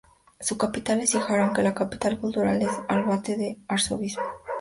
Su capital es Híjar aunque la capital cultural es Albalate del Arzobispo.